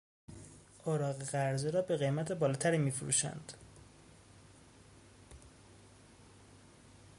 اوراق قرضه را به قیمت بالاتری میفروشند.